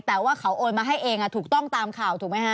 แต่ว่าเขาโอนมาให้เองถูกต้องตามข่าวถูกไหมฮะ